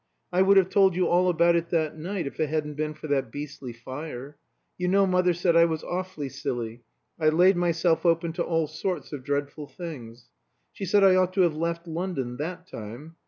I would have told you all about it that night, if it hadn't been for that beastly fire. You know mother said I was awfully silly I laid myself open to all sorts of dreadful things. She said I ought to have left London that time.